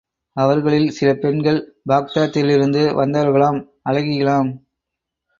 அவர்களில் சில பெண்கள் பாக்தாதிலிருந்து வந்தவர்களாம், அழகிகளாம்.